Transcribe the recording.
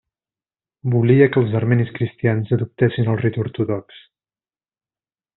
Volia que els armenis cristians adoptessin el ritu ortodox.